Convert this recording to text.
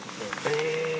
え！